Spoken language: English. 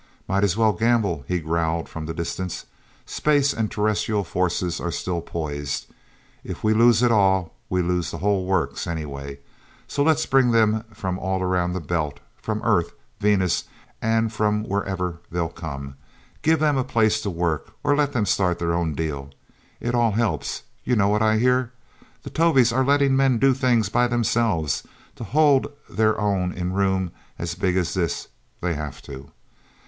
"Might as well gamble," he growled from the distance. "Space and terrestrial forces are still poised. If we lose at all, we lose the whole works, anyway. So let's bring them from all around the Belt, from Earth, Venus and from wherever they'll come. Give them a place to work, or let them start their own deal. It all helps... You know what I hear? The Tovies are letting men do things by themselves. To hold their own in room as big as this, they have to.